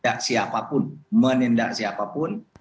tidak siapapun menindak siapapun